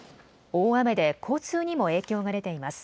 大雨で交通にも影響が出ています。